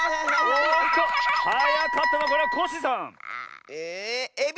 おっとはやかったのはこれはコッシーさん！えエビ！